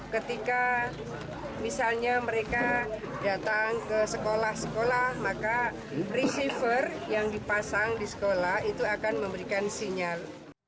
ketika misalnya mereka datang ke sekolah sekolah maka receiver yang dipasang di sekolah itu akan memberikan sinyal